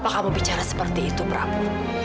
apa kamu bicara seperti itu prabu